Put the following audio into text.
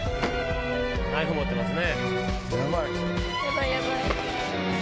ナイフ持ってますね。